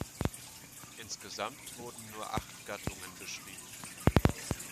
Insgesamt wurden nur acht Gattungen beschrieben.